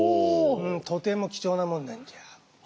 とても貴重なものなんじゃ。